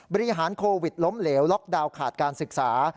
บริหารโควิดล้มเหลวล็อกดาวนขาดการศึกษา